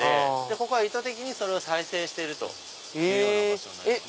ここは意図的にそれを再生してるという場所になります。